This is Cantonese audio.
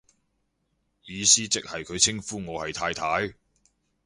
意思即係佢稱呼我係太太